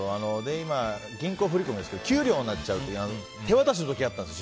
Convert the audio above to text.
今、銀行振り込みですけど給料になっちゃうと手渡しの時があったんですよ